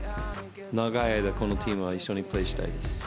長い間、このチームは一緒にプレーしたいです。